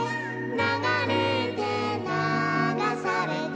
「ながれてながされて」